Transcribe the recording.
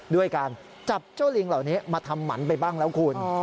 ด้วยการจับเจ้าลิงเหล่านี้มาทำหมันไปบ้างแล้วคุณ